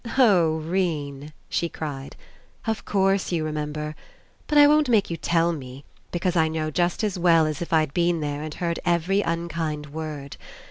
"Oh, 'Rene!" she cried, "of course you remember I But I won't make you tell me, be cause I know just as well as if I'd been there and heard every unkind word.